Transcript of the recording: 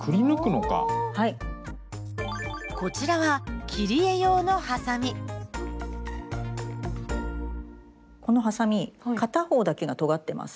こちらはこのハサミ片方だけがとがってます。